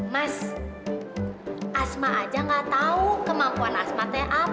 mas asma aja gak tau kemampuan asma teh apa